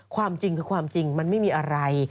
ความจริงคือความจริงมันไม่มีอะไร